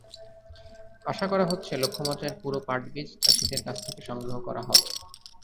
আশা করা হচ্ছে, লক্ষ্যমাত্রার পুরো পাটবীজ চাষিদের কাছ থেকে সংগ্রহ করা হবে।